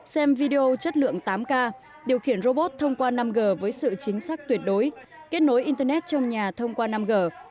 xem video chất lượng tám k điều khiển robot thông qua năm g với sự chính xác tuyệt đối kết nối internet trong nhà thông qua năm g